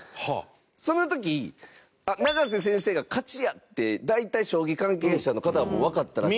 その時、永瀬先生が勝ちやって大体、将棋関係者の方はわかったらしい。